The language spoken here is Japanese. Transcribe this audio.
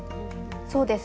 そうですね。